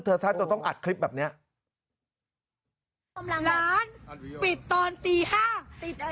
เธอท่าจะต้องอัดคลิปแบบเนี้ยปิดตอนตีห้า